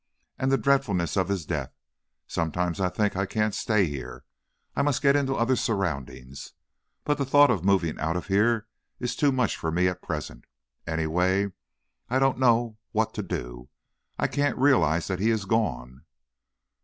And the dreadfulness of his death! Sometimes I think I can't stay here, I must get into other surroundings. But the thought of moving out of here is too much for me, at present, anyway. Oh, I don't know what to do! I can't realize that he is gone!"